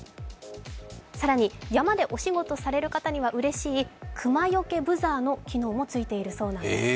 更に、山でお仕事される方にはうれしい、熊よけブザーもついているそうです。